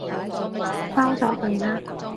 收咗佢啦！